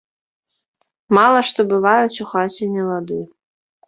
Мала што бываюць у хаце нелады.